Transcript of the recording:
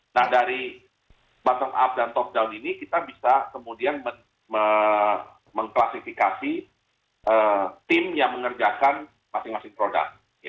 nah dari bottom up dan top down ini kita bisa kemudian mengklasifikasi tim yang mengerjakan masing masing produk